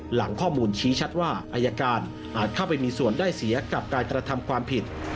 หลังข้อมูลชี้ชัดว่าอายการอาจเข้าไปมีส่วนได้เสียกับการกระทำความผิด